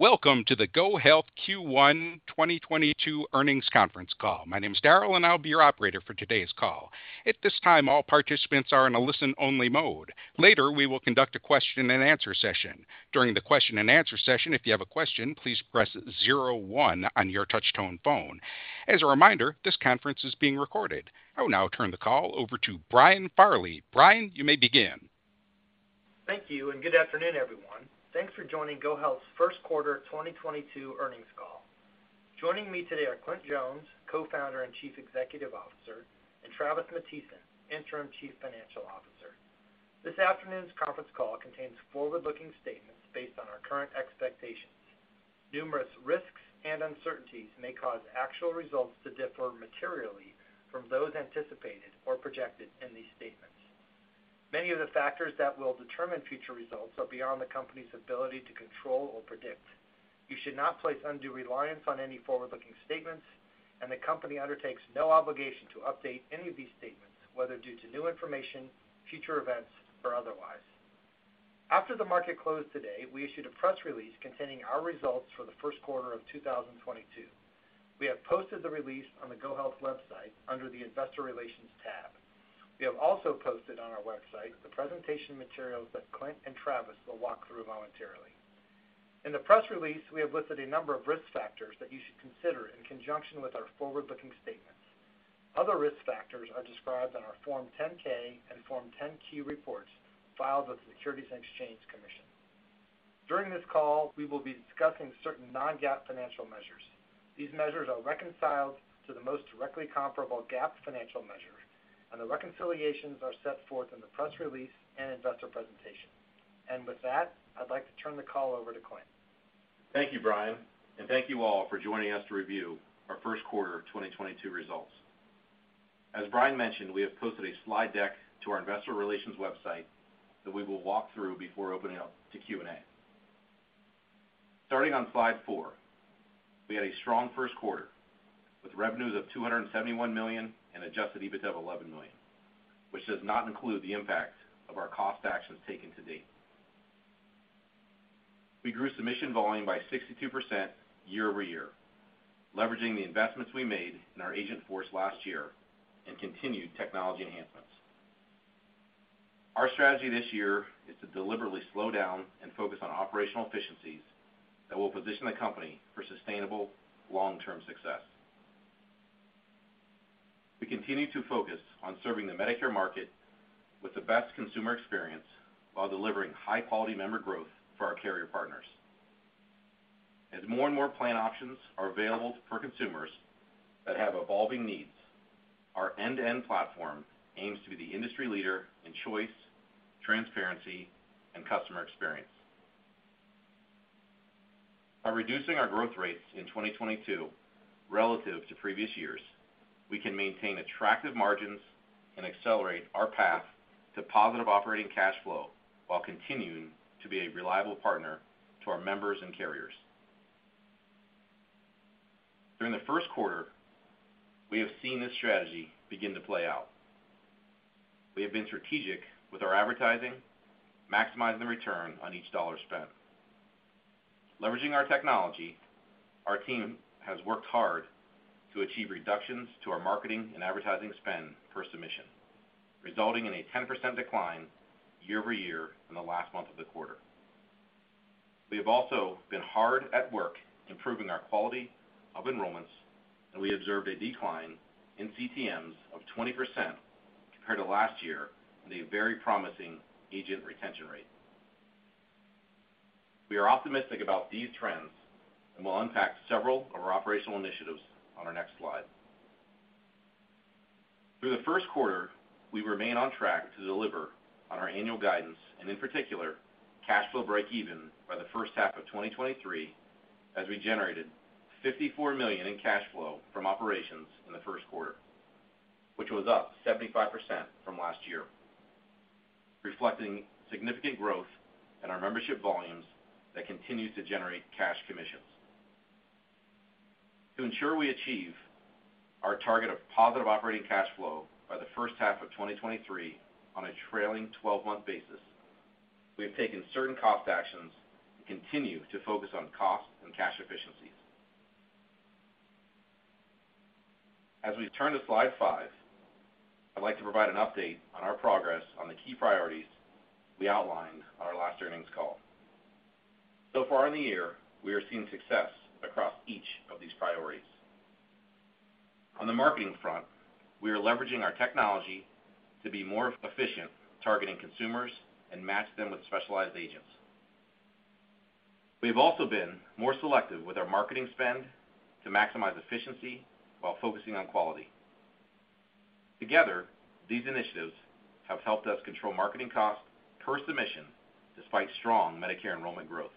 Welcome to the GoHealth Q1 2022 Earnings Conference Call. My name is Daryl, and I'll be your operator for today's call. At this time, all participants are in a listen-only mode. Later, we will conduct a question-and-answer session. During the question-and-answer session, if you have a question, please press zero one on your touch-tone phone. As a reminder, this conference is being recorded. I will now turn the call over to Brian Farley. Brian, you may begin. Thank you, and good afternoon, everyone. Thanks for joining GoHealth's first quarter 2022 earnings call. Joining me today are Clint Jones, Co-Founder and Chief Executive Officer, and Travis Matthiesen, Interim Chief Financial Officer. This afternoon's conference call contains forward-looking statements based on our current expectations. Numerous risks and uncertainties may cause actual results to differ materially from those anticipated or projected in these statements. Many of the factors that will determine future results are beyond the company's ability to control or predict. You should not place undue reliance on any forward-looking statements, and the company undertakes no obligation to update any of these statements, whether due to new information, future events, or otherwise. After the market closed today, we issued a press release containing our results for the first quarter of 2022. We have posted the release on the GoHealth website under the Investor Relations tab. We have also posted on our website the presentation materials that Clint and Travis will walk through momentarily. In the press release, we have listed a number of risk factors that you should consider in conjunction with our forward-looking statements. Other risk factors are described in our Form 10-K and Form 10-Q reports filed with the Securities and Exchange Commission. During this call, we will be discussing certain non-GAAP financial measures. These measures are reconciled to the most directly comparable GAAP financial measures, and the reconciliations are set forth in the press release and investor presentation. With that, I'd like to turn the call over to Clint. Thank you, Brian, and thank you all for joining us to review our first quarter of 2022 results. As Brian mentioned, we have posted a slide deck to our investor relations website that we will walk through before opening up to Q&A. Starting on slide 4, we had a strong first quarter, with revenues of $271 million and adjusted EBITDA of $11 million, which does not include the impact of our cost actions taken to date. We grew submission volume by 62% year-over-year, leveraging the investments we made in our agent force last year and continued technology enhancements. Our strategy this year is to deliberately slow down and focus on operational efficiencies that will position the company for sustainable long-term success. We continue to focus on serving the Medicare market with the best consumer experience while delivering high-quality member growth for our carrier partners. As more and more plan options are available for consumers that have evolving needs, our end-to-end platform aims to be the industry leader in choice, transparency, and customer experience. By reducing our growth rates in 2022 relative to previous years, we can maintain attractive margins and accelerate our path to positive operating cash flow while continuing to be a reliable partner to our members and carriers. During the first quarter, we have seen this strategy begin to play out. We have been strategic with our advertising, maximizing the return on each dollar spent. Leveraging our technology, our team has worked hard to achieve reductions to our marketing and advertising spend per submission, resulting in a 10% decline year-over-year in the last month of the quarter. We have also been hard at work improving our quality of enrollments, and we observed a decline in CTMs of 20% compared to last year and a very promising agent retention rate. We are optimistic about these trends and will unpack several of our operational initiatives on our next slide. Through the first quarter, we remain on track to deliver on our annual guidance and, in particular, cash flow breakeven by the H1 of 2023, as we generated $54 million in cash flow from operations in the first quarter, which was up 75% from last year, reflecting significant growth in our membership volumes that continue to generate cash commissions. To ensure we achieve our target of positive operating cash flow by the H1 of 2023 on a trailing twelve-month basis, we have taken certain cost actions and continue to focus on cost and cash efficiencies. As we turn to slide 5, I'd like to provide an update on our progress on the key priorities we outlined on our last earnings call. Far in the year, we are seeing success across each of these priorities. On the marketing front, we are leveraging our technology to be more efficient targeting consumers and match them with specialized agents. We've also been more selective with our marketing spend to maximize efficiency while focusing on quality. Together, these initiatives have helped us control marketing costs per submission despite strong Medicare enrollment growth.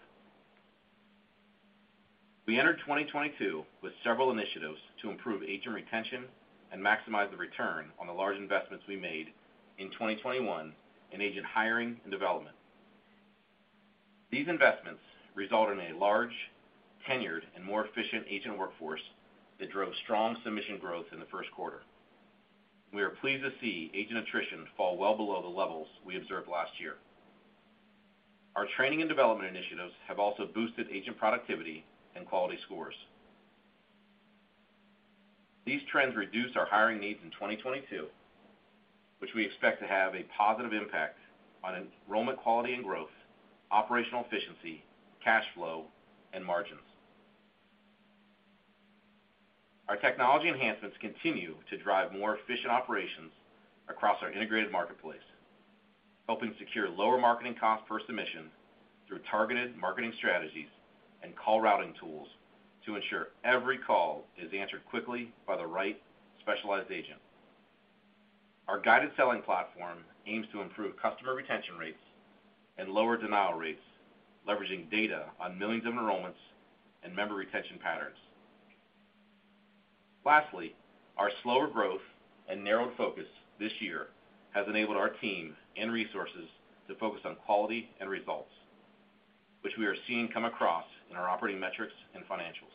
We entered 2022 with several initiatives to improve agent retention and maximize the return on the large investments we made in 2021 in agent hiring and development. These investments result in a large, tenured, and more efficient agent workforce that drove strong submission growth in the first quarter. We are pleased to see agent attrition fall well below the levels we observed last year. Our training and development initiatives have also boosted agent productivity and quality scores. These trends reduced our hiring needs in 2022, which we expect to have a positive impact on enrollment quality and growth, operational efficiency, cash flow, and margins. Our technology enhancements continue to drive more efficient operations across our integrated marketplace, helping secure lower marketing cost per submission through targeted marketing strategies and call routing tools to ensure every call is answered quickly by the right specialized agent. Our guided selling platform aims to improve customer retention rates and lower denial rates, leveraging data on millions of enrollments and member retention patterns. Lastly, our slower growth and narrowed focus this year has enabled our team and resources to focus on quality and results, which we are seeing come across in our operating metrics and financials.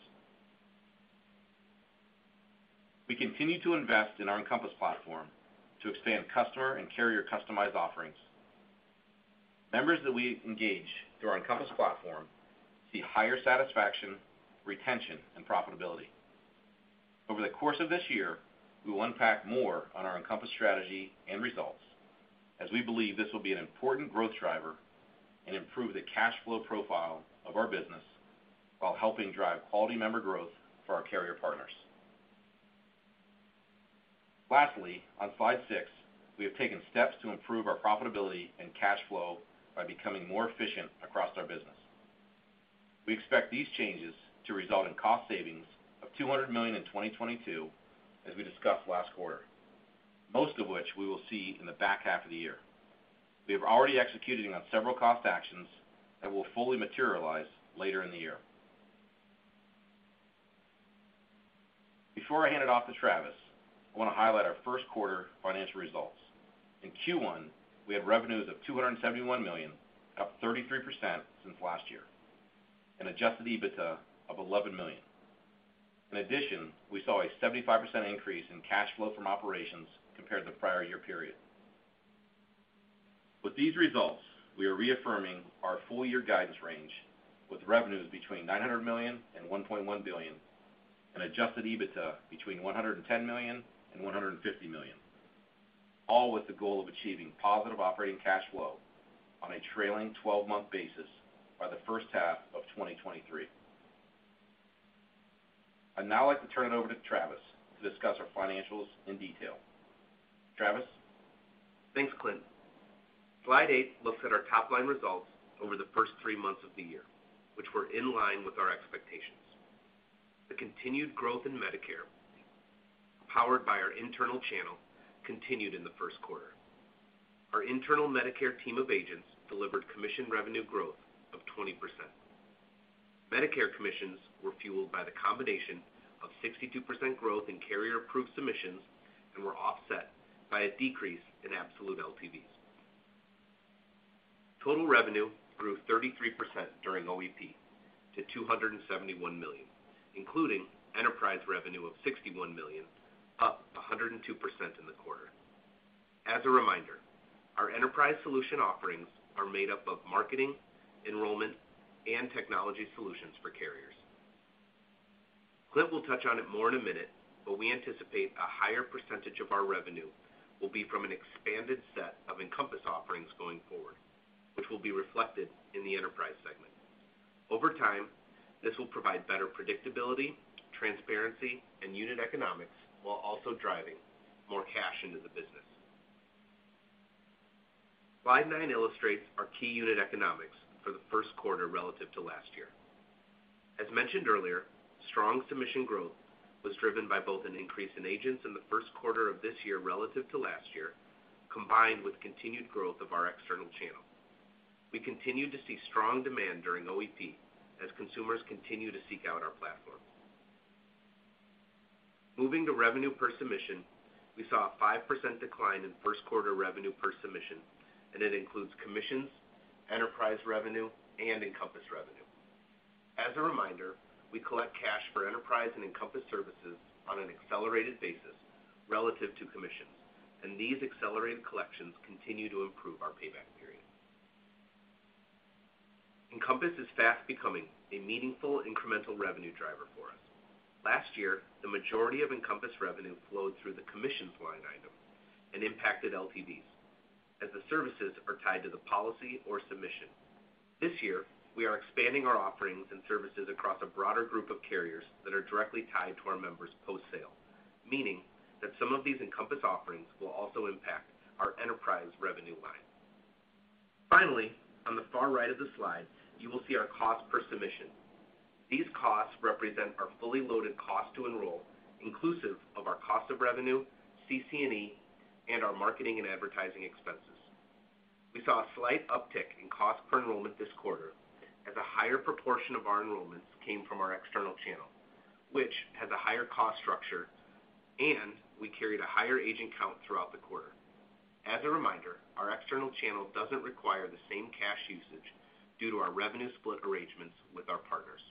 We continue to invest in our Encompass platform to expand customer and carrier customized offerings. Members that we engage through our Encompass platform see higher satisfaction, retention, and profitability. Over the course of this year, we will unpack more on our Encompass strategy and results as we believe this will be an important growth driver and improve the cash flow profile of our business while helping drive quality member growth for our carrier partners. Lastly, on slide six, we have taken steps to improve our profitability and cash flow by becoming more efficient across our business. We expect these changes to result in cost savings of $200 million in 2022, as we discussed last quarter, most of which we will see in the back half of the year. We have already executed on several cost actions that will fully materialize later in the year. Before I hand it off to Travis, I want to highlight our first quarter financial results. In Q1, we had revenues of $271 million, up 33% since last year, and adjusted EBITDA of $11 million. In addition, we saw a 75% increase in cash flow from operations compared to the prior year period. With these results, we are reaffirming our full-year guidance range with revenues between $900 million and $1.1 billion and Adjusted EBITDA between $110 million and $150 million, all with the goal of achieving positive operating cash flow on a trailing twelve-month basis by the H1 of 2023. I'd now like to turn it over to Travis to discuss our financials in detail. Travis? Thanks, Clint. Slide 8 looks at our top line results over the first 3 months of the year, which were in line with our expectations. The continued growth in Medicare, powered by our internal channel, continued in the first quarter. Our internal Medicare team of agents delivered commission revenue growth of 20%. Medicare commissions were fueled by the combination of 62% growth in carrier-approved submissions and were offset by a decrease in absolute LTVs. Total revenue grew 33% during OEP to $271 million, including enterprise revenue of $61 million, up 102% in the quarter. As a reminder, our enterprise solution offerings are made up of marketing, enrollment, and technology solutions for carriers. Clint will touch on it more in a minute, but we anticipate a higher percentage of our revenue will be from an expanded set of Encompass offerings going forward, which will be reflected in the enterprise segment. Over time, this will provide better predictability, transparency, and unit economics while also driving more cash into the business. Slide 9 illustrates our key unit economics for the first quarter relative to last year. As mentioned earlier, strong submission growth was driven by both an increase in agents in the first quarter of this year relative to last year, combined with continued growth of our external channel. We continue to see strong demand during OEP as consumers continue to seek out our platform. Moving to revenue per submission, we saw a 5% decline in first quarter revenue per submission, and it includes commissions, enterprise revenue, and Encompass revenue. As a reminder, we collect cash for enterprise and Encompass services on an accelerated basis relative to commissions, and these accelerated collections continue to improve our payback period. Encompass is fast becoming a meaningful incremental revenue driver for us. Last year, the majority of Encompass revenue flowed through the commissions line item and impacted LTVs as the services are tied to the policy or submission. This year, we are expanding our offerings and services across a broader group of carriers that are directly tied to our members post-sale, meaning that some of these Encompass offerings will also impact our enterprise revenue line. Finally, on the far right of the slide, you will see our cost per submission. These costs represent our fully loaded cost to enroll, inclusive of our cost of revenue, CC&E, and our marketing and advertising expenses. We saw a slight uptick in cost per enrollment this quarter as a higher proportion of our enrollments came from our external channel, which has a higher cost structure, and we carried a higher agent count throughout the quarter. As a reminder, our external channel doesn't require the same cash usage due to our revenue split arrangements with our partners.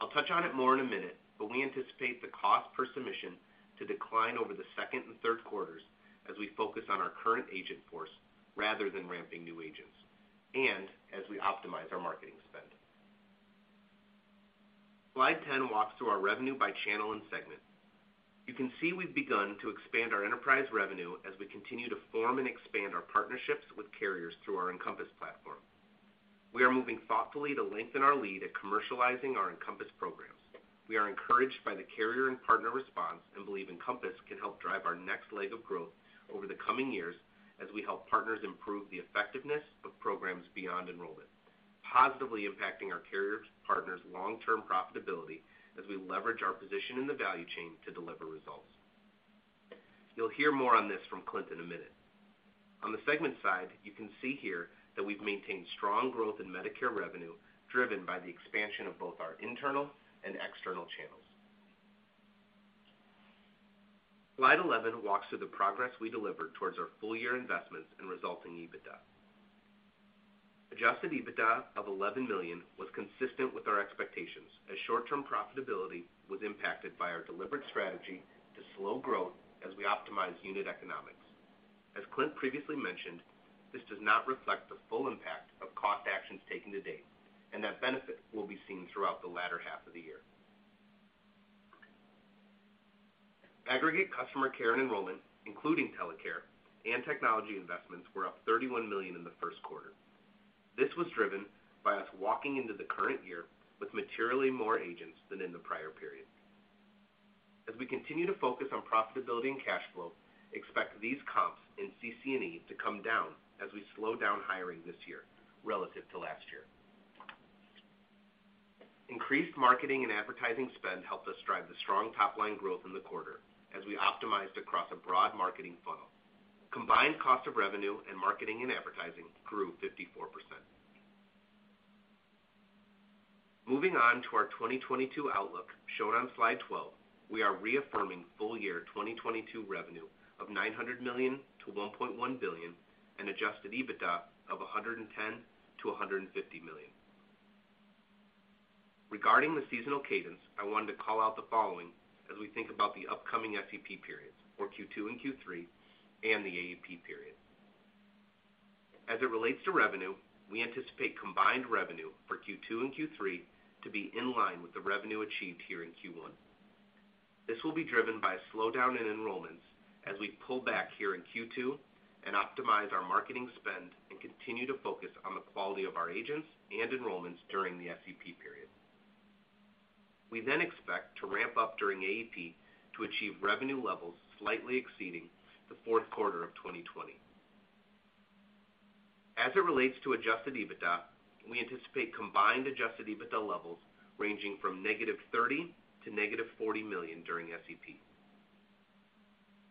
I'll touch on it more in a minute, but we anticipate the cost per submission to decline over the second and third quarters as we focus on our current agent force rather than ramping new agents, and as we optimize our marketing spend. Slide 10 walks through our revenue by channel and segment. You can see we've begun to expand our enterprise revenue as we continue to form and expand our partnerships with carriers through our Encompass platform. We are moving thoughtfully to lengthen our lead at commercializing our Encompass programs. We are encouraged by the carrier and partner response, and believe Encompass can help drive our next leg of growth over the coming years as we help partners improve the effectiveness of programs beyond enrollment, positively impacting our carriers' partners' long-term profitability as we leverage our position in the value chain to deliver results. You'll hear more on this from Clint in a minute. On the segment side, you can see here that we've maintained strong growth in Medicare revenue, driven by the expansion of both our internal and external channels. Slide 11 walks through the progress we delivered towards our full-year investments and resulting EBITDA. Adjusted EBITDA of $11 million was consistent with our expectations, as short-term profitability was impacted by our deliberate strategy to slow growth as we optimize unit economics. As Clint previously mentioned, this does not reflect the full impact of cost actions taken to date, and that benefit will be seen throughout the latter half of the year. Aggregate customer care and enrollment, including TeleCare and technology investments, were up $31 million in the first quarter. This was driven by us walking into the current year with materially more agents than in the prior period. As we continue to focus on profitability and cash flow, expect these comps in CC&E to come down as we slow down hiring this year relative to last year. Increased marketing and advertising spend helped us drive the strong top-line growth in the quarter as we optimized across a broad marketing funnel. Combined cost of revenue and marketing and advertising grew 54%. Moving on to our 2022 outlook, shown on slide 12, we are reaffirming full-year 2022 revenue of $900 million-$1.1 billion, and adjusted EBITDA of $110 million-$150 million. Regarding the seasonal cadence, I wanted to call out the following as we think about the upcoming SEP periods for Q2 and Q3 and the AEP period. As it relates to revenue, we anticipate combined revenue for Q2 and Q3 to be in line with the revenue achieved here in Q1. This will be driven by a slowdown in enrollments as we pull back here in Q2 and optimize our marketing spend and continue to focus on the quality of our agents and enrollments during the SEP period. We then expect to ramp up during AEP to achieve revenue levels slightly exceeding the fourth quarter of 2020. As it relates to adjusted EBITDA, we anticipate combined adjusted EBITDA levels ranging from -$30 million to -$40 million during SEP.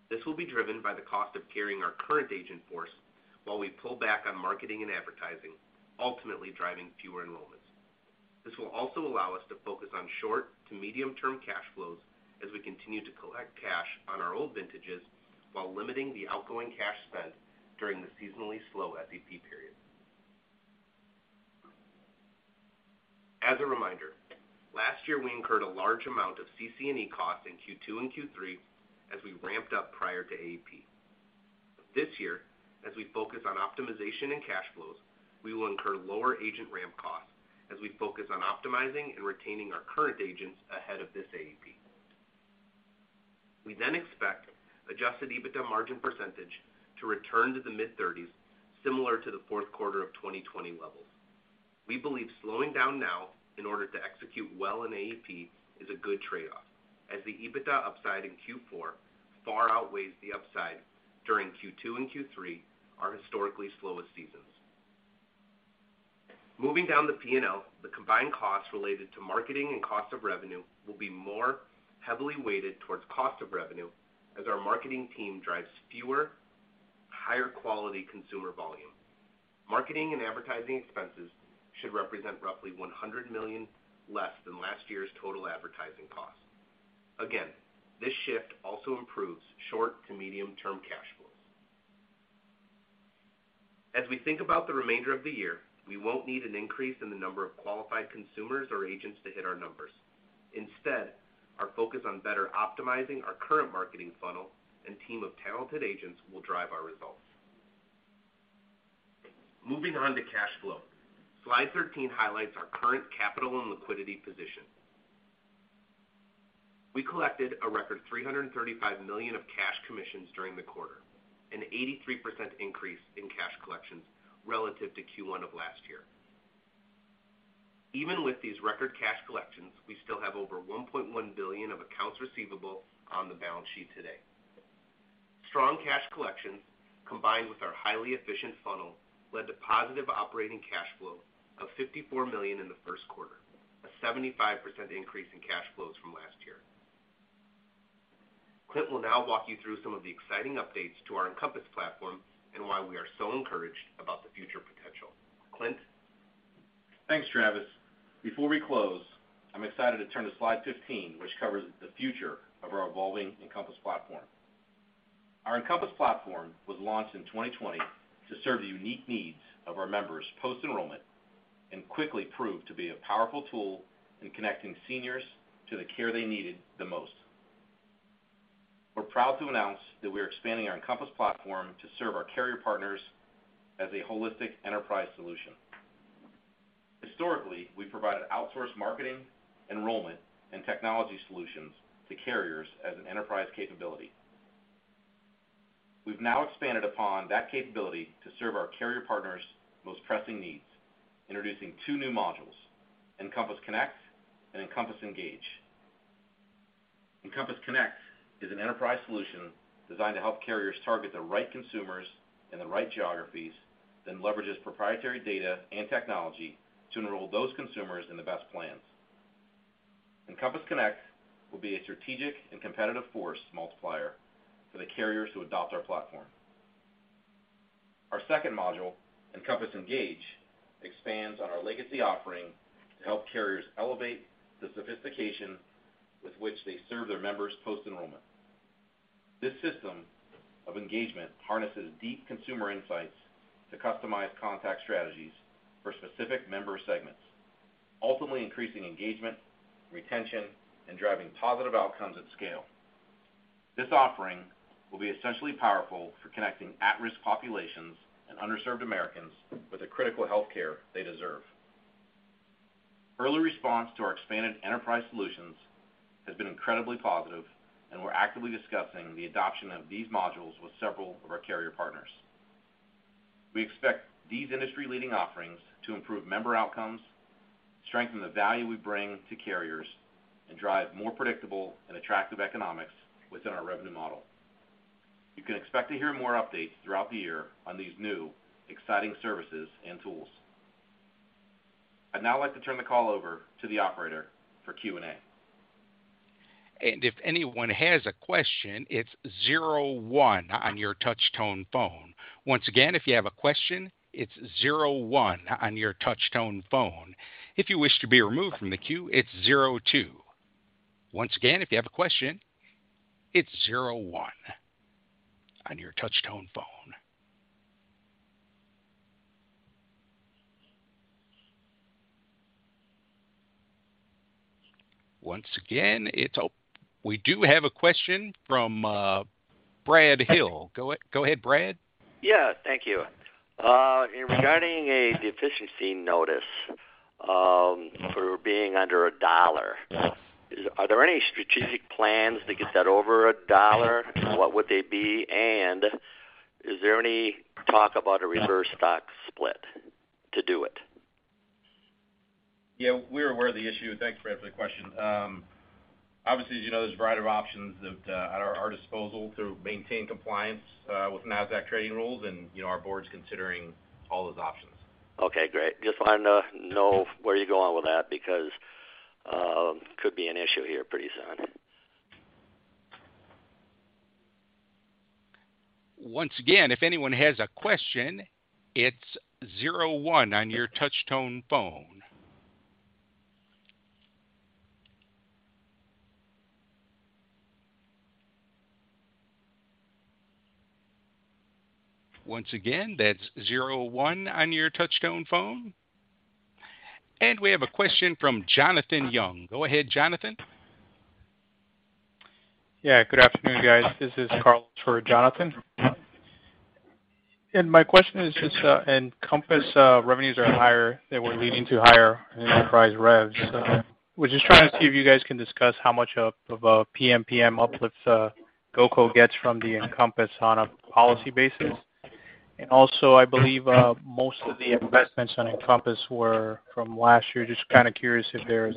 This will be driven by the cost of carrying our current agent force while we pull back on marketing and advertising, ultimately driving fewer enrollments. This will also allow us to focus on short to medium-term cash flows as we continue to collect cash on our old vintages while limiting the outgoing cash spend during the seasonally slow SEP period. As a reminder, last year, we incurred a large amount of CC&E costs in Q2 and Q3 as we ramped up prior to AEP. This year, as we focus on optimization and cash flows, we will incur lower agent ramp costs as we focus on optimizing and retaining our current agents ahead of this AEP. We expect adjusted EBITDA margin percentage to return to the mid-30s%, similar to the fourth quarter of 2020 levels. We believe slowing down now in order to execute well in AEP is a good trade-off, as the EBITDA upside in Q4 far outweighs the upside during Q2 and Q3, our historically slowest seasons. Moving down the P&L, the combined costs related to marketing and cost of revenue will be more heavily weighted towards cost of revenue as our marketing team drives fewer, higher-quality consumer volume. Marketing and advertising expenses should represent roughly $100 million less than last year's total advertising costs. Again, this shift also improves short to medium-term cash flows. As we think about the remainder of the year, we won't need an increase in the number of qualified consumers or agents to hit our numbers. Instead, our focus on better optimizing our current marketing funnel and team of talented agents will drive our results. Moving on to cash flow. Slide 13 highlights our current capital and liquidity position. We collected a record $335 million of cash commissions during the quarter, an 83% increase in cash collections relative to Q1 of last year. Even with these record cash collections, we still have over $1.1 billion of accounts receivable on the balance sheet today. Strong cash collections, combined with our highly efficient funnel, led to positive operating cash flow of $54 million in the first quarter, a 75% increase in cash flows from last year. Clint will now walk you through some of the exciting updates to our Encompass platform and why we are so encouraged about the future potential. Clint? Thanks, Travis. Before we close, I'm excited to turn to slide 15, which covers the future of our evolving Encompass platform. Our Encompass platform was launched in 2020 to serve the unique needs of our members post-enrollment and quickly proved to be a powerful tool in connecting seniors to the care they needed the most. We're proud to announce that we are expanding our Encompass platform to serve our carrier partners as a holistic enterprise solution. Historically, we provided outsourced marketing, enrollment, and technology solutions to carriers as an enterprise capability. We've now expanded upon that capability to serve our carrier partners most pressing needs, introducing 2 new modules, Encompass Connect and Encompass Engage. Encompass Connect is an enterprise solution designed to help carriers target the right consumers in the right geographies, then leverages proprietary data and technology to enroll those consumers in the best plans. Encompass Connect will be a strategic and competitive force multiplier for the carriers who adopt our platform. Our second module, Encompass Engage, expands on our legacy offering to help carriers elevate the sophistication with which they serve their members post-enrollment. This system of engagement harnesses deep consumer insights to customize contact strategies for specific member segments, ultimately increasing engagement, retention, and driving positive outcomes at scale. This offering will be especially powerful for connecting at-risk populations and underserved Americans with the critical health care they deserve. Early response to our expanded enterprise solutions has been incredibly positive, and we're actively discussing the adoption of these modules with several of our carrier partners. We expect these industry-leading offerings to improve member outcomes, strengthen the value we bring to carriers, and drive more predictable and attractive economics within our revenue model. You can expect to hear more updates throughout the year on these new exciting services and tools. I'd now like to turn the call over to the operator for Q&A. If anyone has a question, it's zero one on your touch tone phone. Once again, if you have a question, it's zero one on your touch tone phone. If you wish to be removed from the queue, it's zero two. Once again, if you have a question, it's zero one on your touch tone phone. We do have a question from Ben Hendrix. Go ahead, Brad. Yeah, thank you. Regarding a deficiency notice, for being under a dollar, is there any strategic plans to get that over a dollar? What would they be? Is there any talk about a reverse stock split to do it? Yeah, we're aware of the issue, and thanks, Ben Hendrix, for the question. Obviously, as you know, there's a variety of options at our disposal to maintain compliance with Nasdaq trading rules, and our board's considering all those options. Okay, great. Just wanted to know where you're going with that because could be an issue here pretty soon. Once again, if anyone has a question, it's zero one on your touch-tone phone. Once again, that's zero one on your touch-tone phone. We have a question from Jonathan Yong. Go ahead, Jonathan. Yeah, good afternoon, guys. This is Carl for Jonathan. My question is just, Encompass revenues are higher, they were leading to higher enterprise rev. I was just trying to see if you guys can discuss how much of PMPM uplifts GOCO gets from the Encompass on a policy basis. Also, I believe most of the investments on Encompass were from last year. Just kind of curious if there's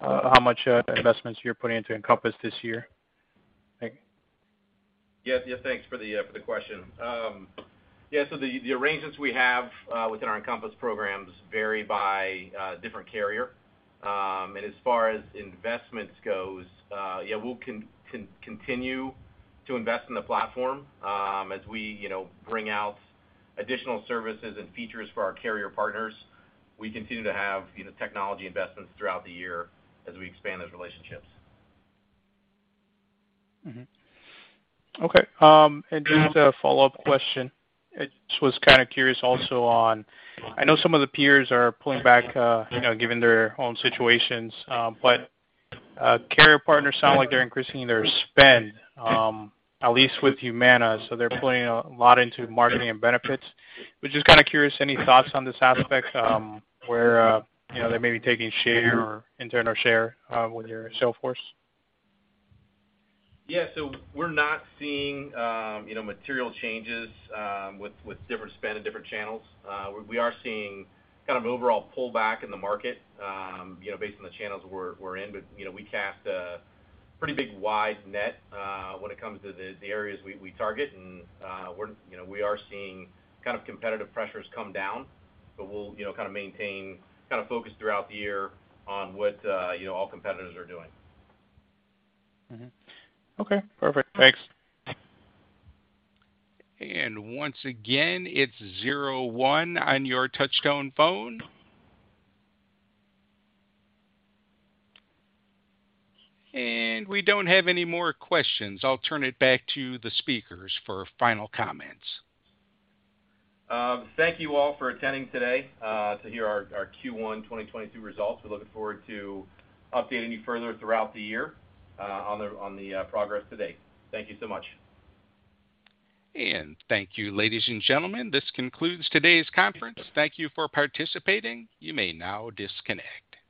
how much investments you're putting into Encompass this year. Thank you. Yeah. Yeah, thanks for the question. Yeah, so the arrangements we have within our Encompass programs vary by different carrier. As far as investments goes, yeah, we'll continue to invest in the platform, as we bring out additional services and features for our carrier partners. We continue to have technology investments throughout the year as we expand those relationships. Okay. Just a follow-up question. I just was kind of curious also on. I know some of the peers are pulling back given their own situations, but carrier partners sound like they're increasing their spend, at least with Humana, so they're putting a lot into marketing and benefits. Was just kind of curious, any thoughts on this aspect, where they may be taking share or internal share, with your sales force? Yeah. We're not seeing material changes with different spend and different channels. We are seeing kind of an overall pullback in the market based on the channels we're in. You know, we cast a pretty big wide net when it comes to the areas we target and we are seeing kind of competitive pressures come down, but we'll kind of maintain kind of focus throughout the year on what all competitors are doing. Mm-hmm. Okay, perfect. Thanks. Once again, it's 01 on your touch tone phone. We don't have any more questions. I'll turn it back to the speakers for final comments. Thank you all for attending today, to hear our Q1 2022 results. We're looking forward to updating you further throughout the year, on the progress to date. Thank you so much. Thank you, ladies and gentlemen. This concludes today's conference. Thank you for participating. You may now disconnect.